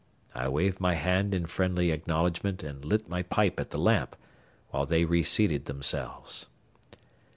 I waved my hand in friendly acknowledgment and lit my pipe at the lamp, while they reseated themselves.